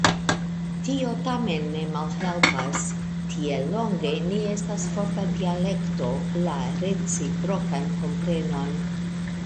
Tio tamen ne malhelpas, tiel longe ne estas forta dialekto, la reciprokan komprenon.